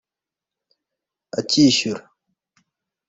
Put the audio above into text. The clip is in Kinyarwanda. akishyura